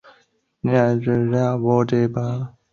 职涯教练也常被说是职涯指导。